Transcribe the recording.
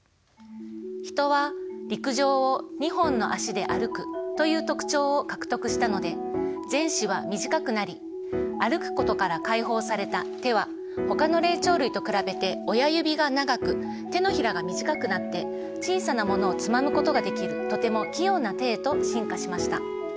ヒトは陸上を２本のあしで歩くという特徴を獲得したので前肢は短くなり歩くことから解放された手はほかの霊長類と比べて親指が長く手のひらが短くなって小さなものをつまむことができるとても器用な手へと進化しました。